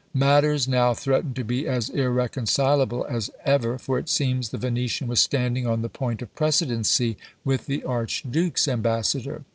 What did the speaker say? Matters now threatened to be as irreconcileable as ever, for it seems the Venetian was standing on the point of precedency with the archduke's ambassador.